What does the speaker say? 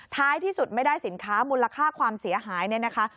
ท้ายที่สุดไม่ได้สินค้ามูลค่าความเสียหายเนี่ยนะคะ